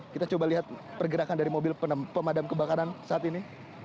kita coba lihat pergerakan dari mobil pemadam kebakaran saat ini